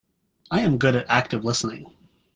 I am good at active listening.